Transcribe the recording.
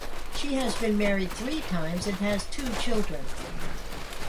She has been married three times, and has two children.